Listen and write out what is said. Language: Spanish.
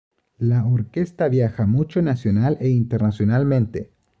La orquesta viaja mucho nacional e internacionalmente.